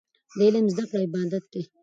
د علم زده کړه عبادت دی.